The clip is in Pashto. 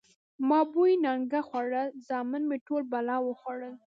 ـ ما بورې نانګه خوړل، زامن مې ټول بلا وخوړل.